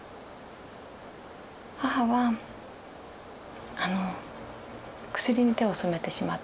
母はあの薬に手を染めてしまっていたと。